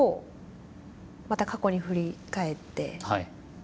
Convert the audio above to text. また過去に振り返って。